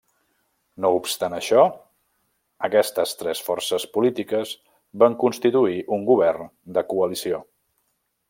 No obstant això, aquestes tres forces polítiques van constituir un govern de coalició.